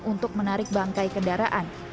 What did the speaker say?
untuk menarik bangkai kendaraan